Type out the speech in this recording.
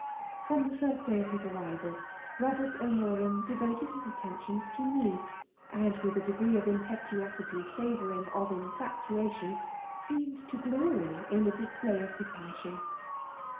From the first day of his arrival, Bobert O'Moran devoted his attentions to me; and, with a degree of impetuosity savouring of in* fatuaiion, seemed to glory in the display of his passion.